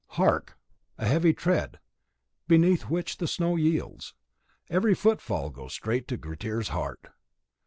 Hark! a heavy tread, beneath which the snow yields. Every footfall goes straight to Grettir's heart.